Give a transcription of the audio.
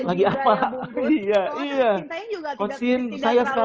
kalau sintayong juga tidak terlalu